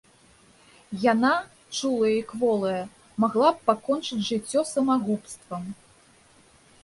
Яна, чулая і кволая, магла б пакончыць жыццё самагубствам.